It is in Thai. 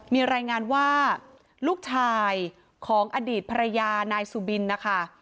มีรายงานว่าลูกชายของอดีตภรรยานายสุบินนะคะ